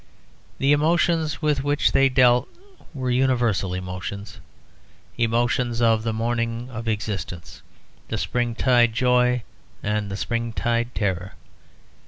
The emotions with which they dealt were universal emotions, emotions of the morning of existence, the springtide joy and the springtide terror.